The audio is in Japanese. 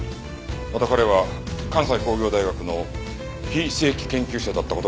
また彼は関西工業大学の非正規研究者だった事がわかりました。